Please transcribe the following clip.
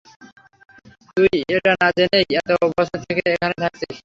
তুই এটা না জেনেই এত বছর থেকে এখানে থাকছিস?